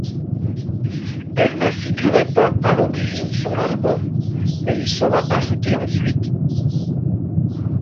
Elle ne figurait pas à l'origine sur l'album, mais y sera ajoutée ensuite.